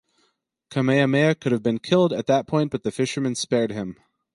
Kamehameha could have been killed at that point but the fisherman spared him.